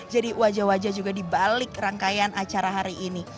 jadi wajah wajah juga dibalik rangkaian acara hari ini